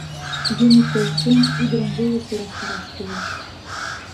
Юмо келшен, ӱдырым веле сӧрастараш кӱлеш.